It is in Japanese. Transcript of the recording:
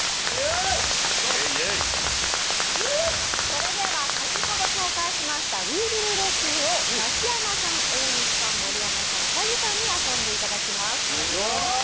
それでは先ほど紹介しました「ウィ・ウィル・ロック・ユー」をザキヤマさん、大西さん、盛山さん、兎さんに遊んでいただきます。